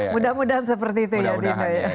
mudah mudahan seperti itu ya dino ya